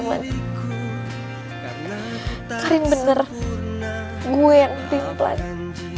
maafkan jika kau terlalu